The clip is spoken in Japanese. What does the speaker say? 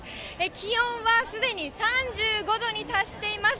気温はすでに３５度に達しています。